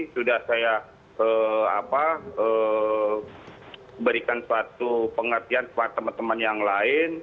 sudah saya berikan suatu pengertian kepada teman teman yang lain